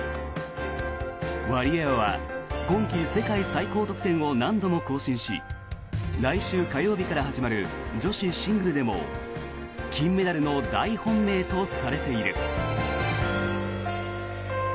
ワリエワは今季世界最高得点を何度も更新し来週火曜日から始まる女子シングルでも金メダルの大本命とされている。